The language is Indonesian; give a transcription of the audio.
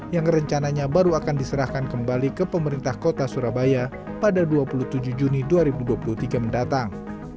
yang rencananya baru akan diserahkan kembali ke pemerintah kota surabaya pada dua puluh tujuh juni dua ribu dua puluh tiga mendatang